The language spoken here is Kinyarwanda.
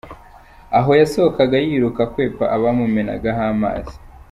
Aha yasohokaga yiruka akwepa abamumenagaho amazi.